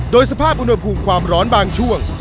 โดยสภาพอุณหภูมิความร้อนบางช่วง